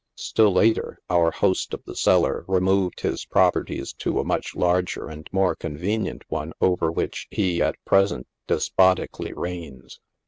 Later still, oar host of the cellar removed his properties to the much larger and more convenient one over which he, at present, despotically reigns.